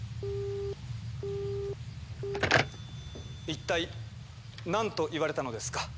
一体何と言われたのですか？